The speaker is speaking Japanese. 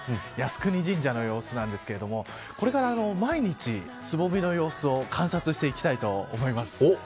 靖国神社の様子なんですけれどもこれから毎日つぼみの様子を観察していきたいと思います。